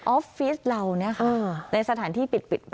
ออฟฟิศเราเนี่ยค่ะในสถานที่ปิดแบบนี้